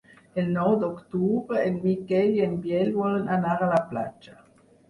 El nou d'octubre en Miquel i en Biel volen anar a la platja.